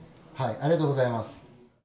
ありがとうございます。